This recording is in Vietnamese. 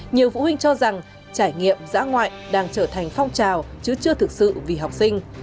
nhiều phụ huynh cho rằng trải nghiệm dã ngoại đang trở thành phong trào chứ chưa thực sự vì học sinh